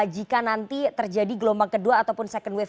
jika nanti terjadi gelombang kedua ataupun second wave